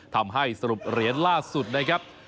ทำให้สรุปเหรียญล่าสุดนะครับ